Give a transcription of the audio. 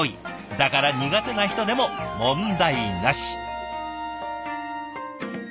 だから苦手な人でも問題なし。